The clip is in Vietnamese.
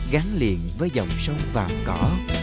gắn liền với dòng sông vàm cỏ